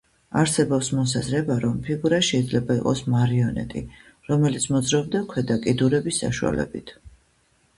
არსებობს მოსაზრება, რომ ფიგურა შეიძლება იყოს მარიონეტი, რომელიც მოძრაობდა ქვედა კიდურების საშუალებით.